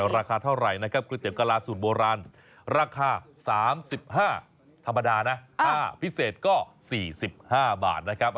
ราคาเท่าไหร่นะครับก๋วยเตี๋กะลาสูตรโบราณราคา๓๕ธรรมดานะถ้าพิเศษก็๔๕บาทนะครับ